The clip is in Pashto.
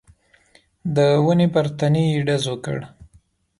د ونې پر تنې يې ډز وکړ.